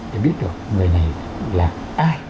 để biết được người này là ai